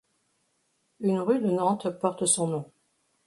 Une rue de Nantes porte son nom.